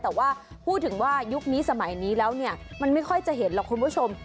แต่ว่าพูดถึงว่ายุคนี้สมัยนี้แล้วเนี่ยมันไม่ค่อยจะเห็นหรอกคุณผู้ชม